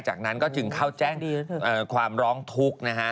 จากนั้นก็จึงเข้าแจ้งความร้องทุกข์นะฮะ